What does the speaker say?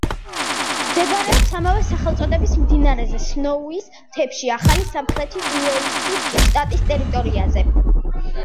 მდებარეობს ამავე სახელწოდების მდინარეზე, სნოუის მთებში, ახალი სამხრეთი უელსის შტატის ტერიტორიაზე.